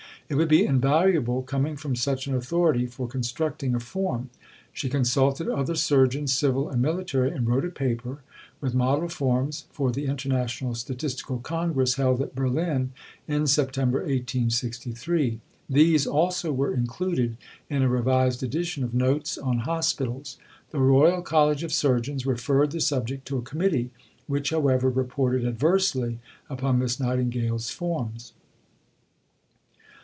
It would be invaluable, coming from such an authority, for constructing a Form." She consulted other surgeons, civil and military, and wrote a paper, with Model Forms, for the International Statistical Congress held at Berlin in September 1863. These also were included in a revised edition of Notes on Hospitals. The Royal College of Surgeons referred the subject to a Committee, which, however, reported adversely upon Miss Nightingale's Forms.